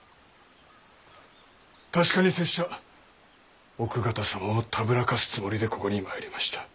確かに拙者奥方様をたぶらかすつもりでここに参りました。